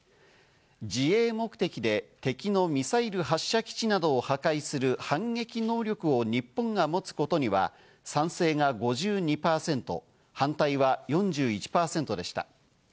自衛目的で敵のミサイル発射基地などを破壊する反撃能力を日本が持つことには、賛成が５２％、反対は４１％でした。